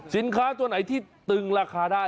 สินค้าตัวไหนที่ตึงราคาได้